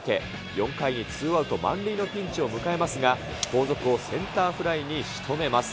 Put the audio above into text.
４回にツーアウト満塁のピンチを迎えますが、後続をセンターフライにしとめます。